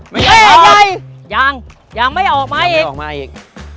แม่ใหญ่แม่ใหญ่ยังยังไม่ออกมาอีกไม่ออกมาอีก